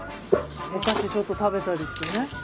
お菓子ちょっと食べたりしてね。